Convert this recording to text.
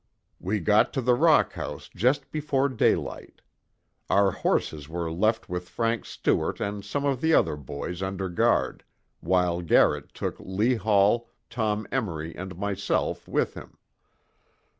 We got to the rock house just before daylight. Our horses were left with Frank Stewart and some of the other boys under guard, while Garrett took Lee Hall, Tom Emory and myself with him.